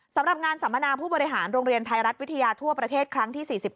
สำหรับงานสัมมนาผู้บริหารโรงเรียนไทยรัฐวิทยาทั่วประเทศครั้งที่๔๘